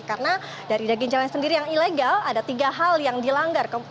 karena dari daging celeng sendiri yang ilegal ada tiga hal yang dilanggar